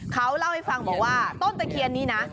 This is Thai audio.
เขาเล่าให้ฟังบอกว่าต้นตะเคียนนี้นะ